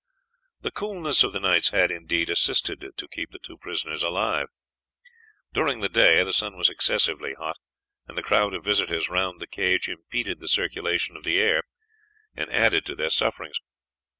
The coolness of the nights had, indeed, assisted to keep the two prisoners alive. During the day the sun was excessively hot, and the crowd of visitors round the cage impeded the circulation of the air and added to their sufferings.